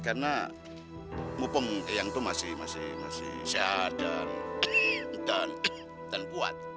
karena ngupeng eyang itu masih sehat dan buat